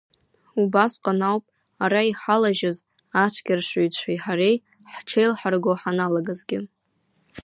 Убасҟан ауп ара иҳалажьыз ацәгьаршҩцәеи ҳареи ҳҽеилҳарго ҳаналагазгьы.